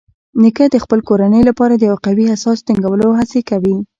نیکه د خپل کورنۍ لپاره د یو قوي اساس ټینګولو هڅه کوي.